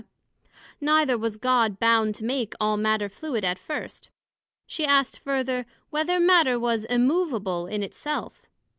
Neither was God bound to make all Matter fluid at first. she asked further, Whether Matter was immovable in it self?